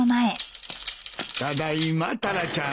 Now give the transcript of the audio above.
ただいまタラちゃん。